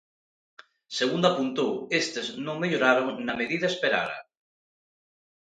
Segundo apuntou, estes non melloraron na medida esperada.